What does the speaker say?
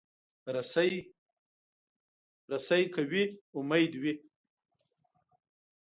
رسۍ که وي، امید وي.